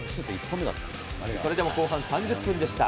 それでも後半３０分でした。